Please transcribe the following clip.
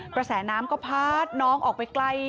กระแสน้ำก็พาดน้องออกไปไกล